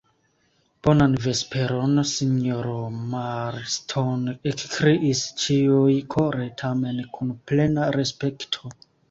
Bonan vesperon, sinjoro Marston, ekkriis ĉiuj kore, tamen kun plena respekto.